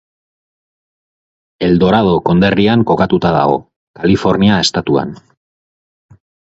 El Dorado konderrian kokatuta dago, Kalifornia estatuan.